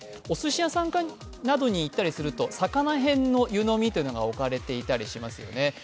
おすし屋さんなどに行ったりするとさかなへんの湯飲みが置かれていたりしますよね。